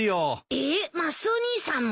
えっマスオ兄さんも？